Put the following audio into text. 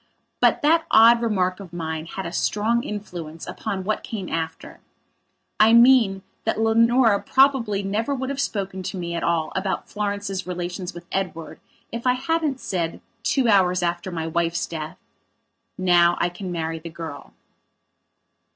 But that odd remark of mine had a strong influence upon what came after. I mean, that Leonora would probably never have spoken to me at all about Florence's relations with Edward if I hadn't said, two hours after my wife's death: "Now I can marry the girl."